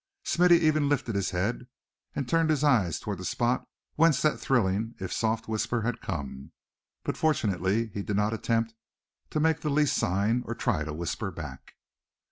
Smithy even lifted his head, and turned his eyes toward the spot from whence that thrilling, if soft, whisper had come. But fortunately he did not attempt to make the least sign, or try to whisper back.